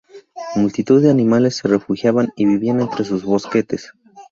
Multitud de animales se refugiaban y vivían entre sus bosquetes.